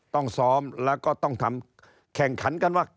ต้องซ้อมแล้วก็ต้องทำแข่งขันกันว่า